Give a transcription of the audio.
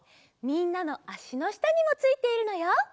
みんなのあしのしたにもついているのよ。